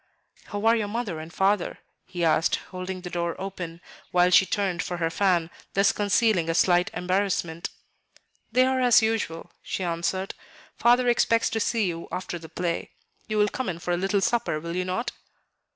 "How are your mother and father?" He asked, holding the door open, while she turned for her fan, thus concealing a slight embarrassment. "They are as usual," she answered. "Father expects to see you after the play. You will come in for a little supper, will you not?"